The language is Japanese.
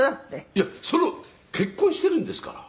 「いや結婚しているんですから」